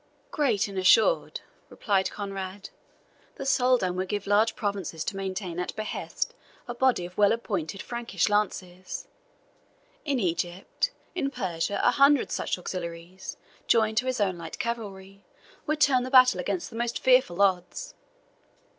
"Great and assured," replied Conrade. "The Soldan would give large provinces to maintain at his behest a body of well appointed Frankish lances. In Egypt, in Persia, a hundred such auxiliaries, joined to his own light cavalry, would turn the battle against the most fearful odds.